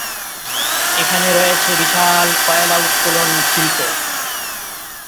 এখানে রয়েছে বিশাল কয়লা উত্তোলন শিল্প।